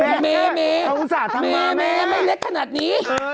แมมเมแมเมเมไม่เล็กขนาดนี้เฮ่ยแมมเม